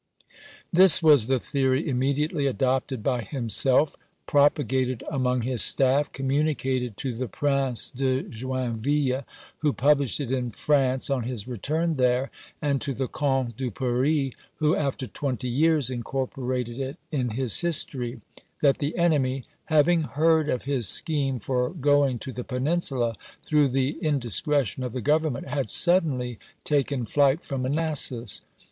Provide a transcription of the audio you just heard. This was the theory immediately adopted by him self, propagated among his staff, communicated to the Prince de Joinville, who published it in France on his return there, and to the Comte de Paris, who, after twenty years, incorporated it in his his tory — that the enemy, having heard of his scheme for going to the Peninsula, through the indis cretion of the Government, had suddenly taken flight from Manassas.